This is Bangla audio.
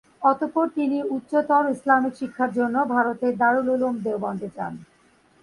অতঃপর তিনি উচ্চতর ইসলামিক শিক্ষার জন্য ভারতের দারুল উলূম দেওবন্দে যান।